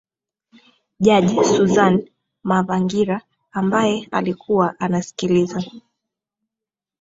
jaji suzan mavangira ambaye alikuwa anasikiliza